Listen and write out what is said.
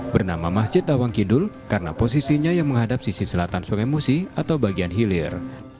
bernama masjid tawang kidul karena posisinya yang menghadap sisi selatan sungai musi atau bagian hilir